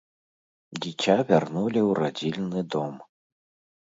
Дзіця вярнулі ў радзільны дом.